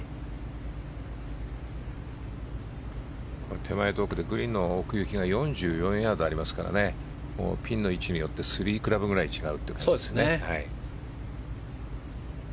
手前と奥でグリーンの奥行きが４４ヤードありますからピンの位置によって３クラブくらい違う。